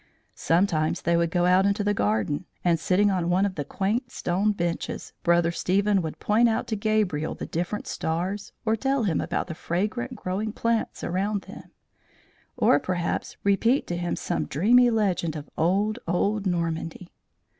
Sometimes they would go out into the garden, and, sitting on one of the quaint stone benches, Brother Stephen would point out to Gabriel the different stars, or tell him about the fragrant growing plants around them; or, perhaps, repeat to him some dreamy legend of old, old Normandy.